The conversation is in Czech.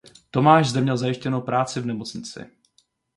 Tomáš zde měl zajištěnou práci v nemocnici.